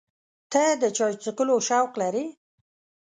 ته د چای څښلو شوق لرې؟